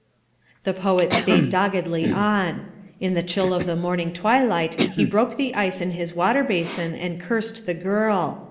The poet stayed doggedly on. In the chill of the morning twilight he broke the ice in his water basin and cursed the girl.